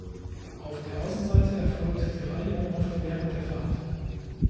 Auf der Außenseite erfolgt die Reinigung oft während der Fahrt.